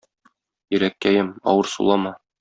Йөрәккәем, авыр сулама.